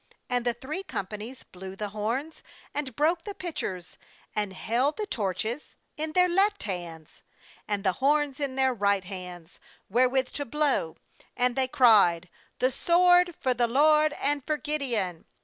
20And the three companies blew the horns, and broke the pitchers, and held the torches in their left hands, and the horns in their right hands wherewith to blow; and they cried: "The sword for the LOED and for Gideon!